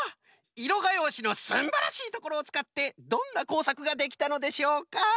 いろがようしのすんばらしいところをつかってどんなこうさくができたのでしょうか？